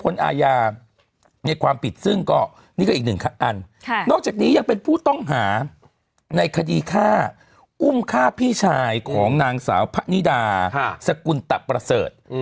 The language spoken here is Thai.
รวมฆ่าพี่ชายของนางสาวพะนิดาสกุลตะประเสริฐ